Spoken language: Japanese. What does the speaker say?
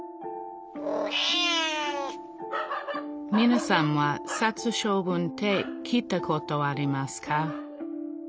みなさんは殺処分って聞いたことありますか？